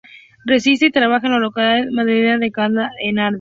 Reside y trabaja en la localidad madrileña de Alcalá de Henares.